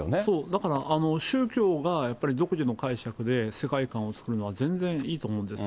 だから宗教がやっぱり独自の解釈で世界観を作るのは全然いいと思うんです。